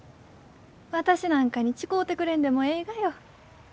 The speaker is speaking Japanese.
私なんかに誓うてくれんでもえいがよ。